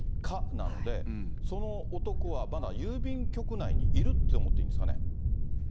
なので、その男はまだ郵便局内にいるって思っていいんですかね。